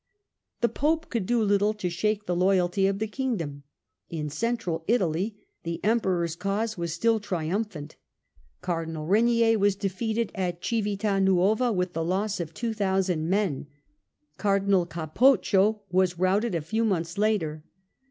The Pope could do little to shake the loyalty of the Kingdom. In Central Italy the Emperor's cause was still triumphant. Cardinal Regnier was defeated at Civita Nuova with the loss of 2000 men. Cardinal Capoccio was routed a few months later.